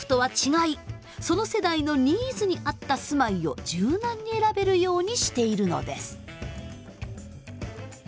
その世代のニーズに合った住まいを柔軟に選べるようにしているのです。